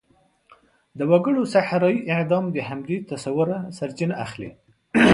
د وګړو صحرايي اعدام د همدې تصوره سرچینه اخلي.